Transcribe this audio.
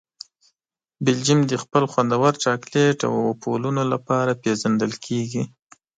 بلجیم د خپل خوندور چاکلېټ او وفلونو لپاره پېژندل کیږي.